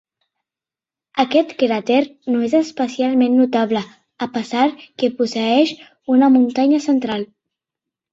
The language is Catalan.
Aquest cràter no és especialment notable, a pesar que posseeix una muntanya central.